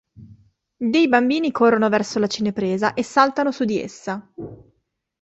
Dei bambini corrono verso la cinepresa e saltano su di essa.